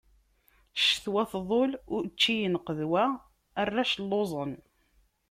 Ccetwa tḍul, učči yenqedwa, arrac lluẓen.